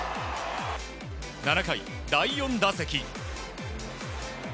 ７回、第４打席。